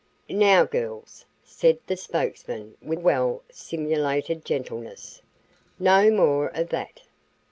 "Now, girls," said the spokesman with well simulated gentleness, "no more of that.